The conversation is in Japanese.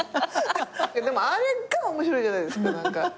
でもあれが面白いじゃないですか。